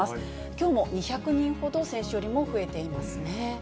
きょうも２００人ほど、先週よりも増えていますね。